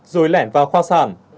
rồi lẻn vào khoa sản